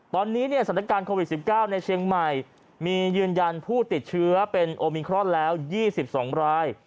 ตอนนี้สถานการณ์โควิด๑๙ในเชียงใหม่มียืนยันผู้ติดเชื้อเป็นโอมิครอนแล้ว๒๒ราย